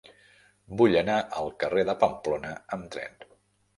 Vull anar al carrer de Pamplona amb tren.